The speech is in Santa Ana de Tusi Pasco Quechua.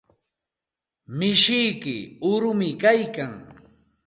Mishiyki uyumi kaykan.